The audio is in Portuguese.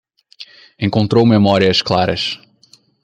Encontrou memórias claras